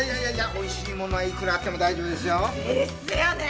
美味しいものはいくらあっても大丈夫ですよ。ですよね。